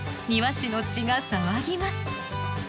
庭師の血が騒ぎます。